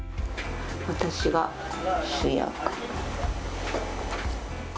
私が主役。